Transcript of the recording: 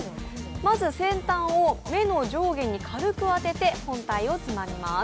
まず先端を目の上下に軽く当てて、本体をつまみます。